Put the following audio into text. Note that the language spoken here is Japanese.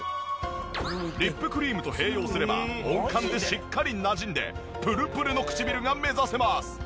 リップクリームと併用すれば温感でしっかりなじんでプルプルの唇が目指せます。